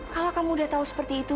kalau kamu udah tahu seperti itu